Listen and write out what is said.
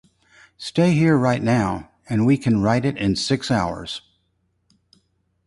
Stay here right now and we can write it in six hours.